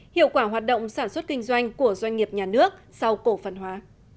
hiệu quả hoạt động sản xuất kinh doanh của doanh nghiệp nhà nước sau cổ phần hóa